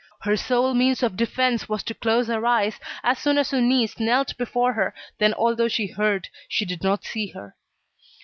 Her sole means of defence was to close her eyes, as soon as her niece knelt before her, then although she heard, she did not see her.